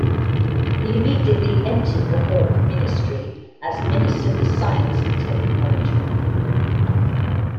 He immediately entered the Hawke ministry as Minister for Science and Technology.